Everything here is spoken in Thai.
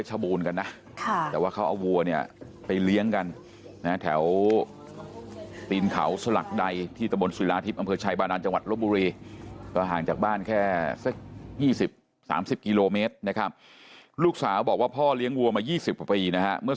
ตรงนี้พันกว่าไรตรงนี้ก็พันกว่าไรมันไม่เกี่ยวกันหรอก